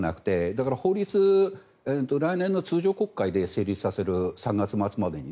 だから、法律来年の通常国会で成立させる３月末までに。